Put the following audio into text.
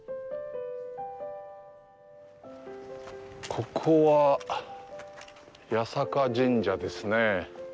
ここは、八坂神社ですね。